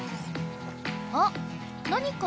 あっ何か